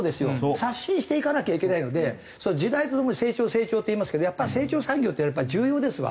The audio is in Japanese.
刷新していかなきゃいけないので時代とともに「成長成長」って言いますけど成長産業って重要ですわ。